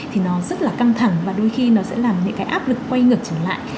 thì nó rất là căng thẳng và đôi khi nó sẽ làm những cái áp lực quay ngược trở lại